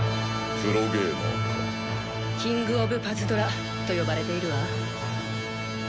キング・オブ・パズドラと呼ばれているわ。